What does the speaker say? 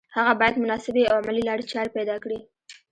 هغه باید مناسبې او عملي لارې چارې پیدا کړي